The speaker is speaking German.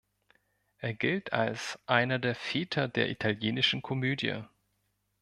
Er gilt als „einer der Väter der italienischen Komödie“.